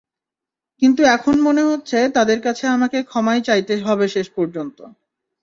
কিন্তু এখন মনে হচ্ছে তাদের কাছে আমাকে ক্ষমাই চাইতে হবে শেষ পর্যন্ত।